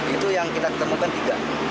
itu yang kita ketemukan tiga